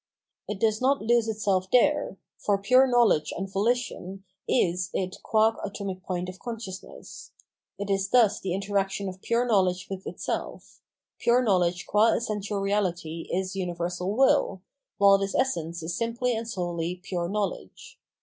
It does not lose itself there, for pure knowledge and volition is it qua atomic point of con sciousness. It is thus the interaction of pure knowledge with itself; pure knowledge qua essential reality is universal will, while this essence is simply and solely piure knowledge.